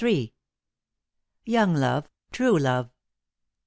YOUNG LOVE, TRUE LOVE.